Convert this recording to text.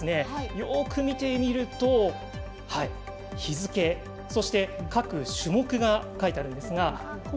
よく見てみると、日付そして各種目が書いてあるんですが。